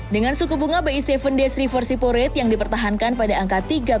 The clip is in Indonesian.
dengan suku bunga bi tujuh d sriversiporet yang dipertahankan pada angka tiga